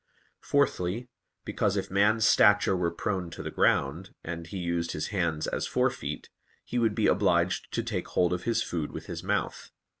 Fourthly, because if man's stature were prone to the ground, and he used his hands as fore feet, he would be obliged to take hold of his food with his mouth.